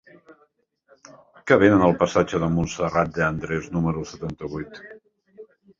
Què venen al passatge de Montserrat de Andrés número setanta-vuit?